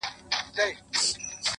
شعرونه نور ورته هيڅ مه ليكه؛